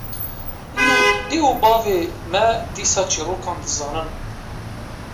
Îro dê û bavê me dîsa çîrokan dizanin